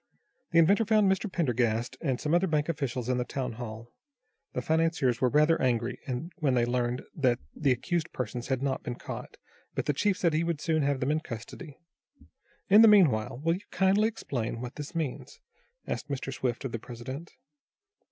The inventor found Mr. Pendergast, and some other bank officials in the town hall. The financiers were rather angry when they learned that the accused persons had not been caught, but the chief said he would soon have them in custody. "In the meanwhile will you kindly explain, what this means?" asked Mr. Swift of the president.